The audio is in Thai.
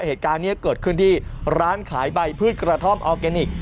เหตุการณ์นี้เกิดขึ้นที่ร้านขายใบพืชกระท่อมออร์แกนิค